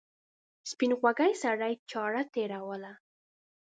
سپین غوږي سړي چاړه تېروله.